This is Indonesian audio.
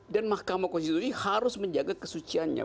dan mahkamah konstitusi harus menjaga kesuciannya